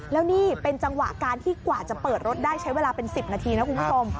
แล้วนี่เป็นจังหวะการที่กว่าจะเปิดรถได้ใช้เวลาเป็น๑๐นาทีนะคุณผู้ชม